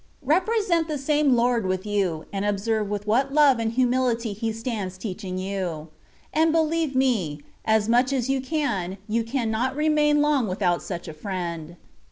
Represent the same Lord with you, and observe with what love and humility He stands teaching you. And beUeve me, as much as you can, you cannot remain long without such a friend.